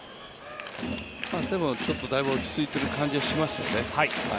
でも、だいぶ落ち着いてる感じはしますよね。